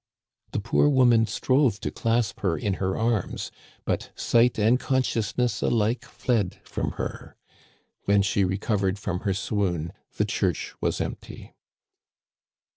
The poor woman strove to clasp her in her arms, but sight and conscious ness alike fled from her. When she recovered from her swoon the church was empty.